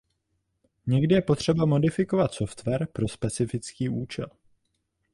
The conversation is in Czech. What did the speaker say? Někdy je potřeba modifikovat software pro specifický účel.